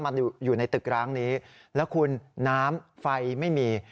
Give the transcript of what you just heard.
อยู่ในตึกร้างนี้แล้วคุณน้ำไฟไม่มี